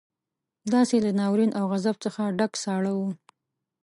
داسې له ناورين او غضب څخه ډک ساړه وو.